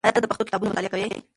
آیا ته د پښتو کتابونو مطالعه کوې؟